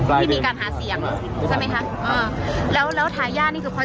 กับก่อนหรือหลังการเลือกตั้งแล้ว